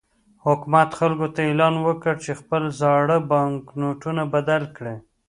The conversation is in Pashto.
حکومت خلکو ته اعلان وکړ چې خپل زاړه بانکنوټونه بدل کړي.